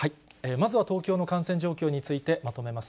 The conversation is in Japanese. まずは東京の感染状況についてまとめます。